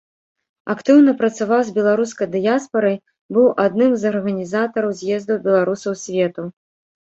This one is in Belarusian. Актыўна працаваў з беларускай дыяспарай, быў адным з арганізатараў з'ездаў беларусаў свету.